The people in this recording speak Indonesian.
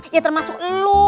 ya termasuk lo